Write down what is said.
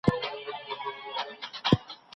دا دوره د جهالت او تیارې دوره وه.